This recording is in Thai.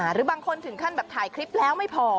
หรือบางคนถึงขั้นแบบถ่ายคลิปแล้วไม่พอ